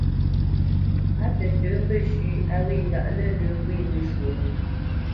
Á tətə̌ mbəshʉ̂ a wě ndaʼ lə̂lə̄ ŋgwě məshwǒ.